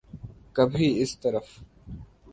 کبھی اس طرف۔